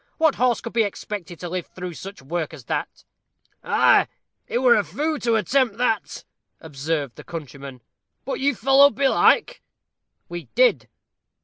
What horse could be expected to live through such work as that?" "Ah, he were a foo' to attempt that," observed the countryman; "but you followed belike?" "We did."